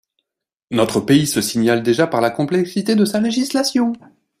Notre pays se signale déjà par la complexité de sa législation.